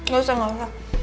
gak usah gak usah